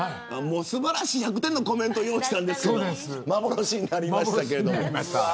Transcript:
素晴らしい１００点のコメントを用意したんですけど幻になりました。